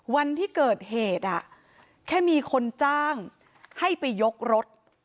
วันที่เกิดเหตุแค่มีคนจ้างให้ไปยกรถ